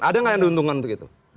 ada nggak yang diuntungkan untuk itu